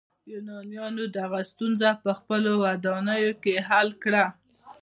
یونانیانو دغه ستونزه په خپلو ودانیو کې حل کړه.